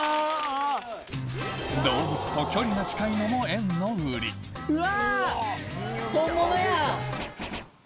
動物と距離が近いのも園の売りうわ！